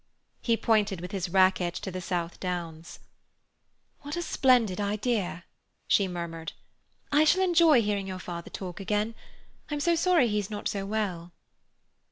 He pointed with his racquet to the South Downs. "What a splendid idea!" she murmured. "I shall enjoy hearing your father talk again. I'm so sorry he's not so well."